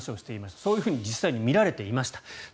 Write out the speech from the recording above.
そういうふうに実際に見られていました。